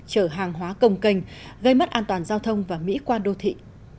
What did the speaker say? chở hàng hóa công kênh gây mất an toàn giao thông và mỹ quan đô thị